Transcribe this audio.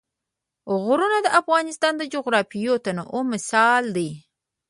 غرونه د افغانستان د جغرافیوي تنوع مثال دی.